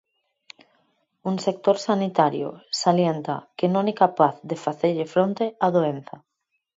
Un sector sanitario, salienta, que non é capaz de facerlle fronte á doenza.